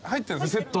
セットで。